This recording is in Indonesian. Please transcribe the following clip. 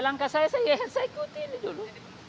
ya langkah saya saya ikuti ini dulu